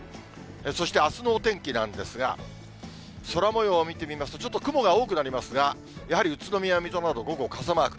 そしてあすのお天気なんですが、空もようを見てみますと、ちょっと雲が多くなりますが、やはり宇都宮、水戸など、午後、傘マーク。